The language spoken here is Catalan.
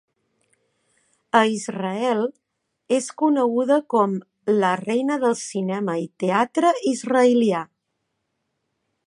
A Israel, és coneguda com "la reina del cinema i teatre israelià".